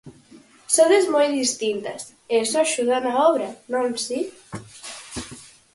Sodes moi distintas, e iso axuda na obra, non si?